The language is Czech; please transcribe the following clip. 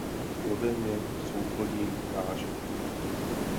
Plodem je souplodí nažek.